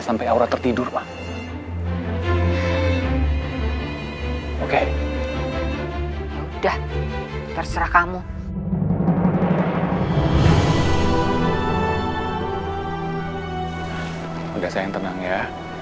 sampai jumpa di video selanjutnya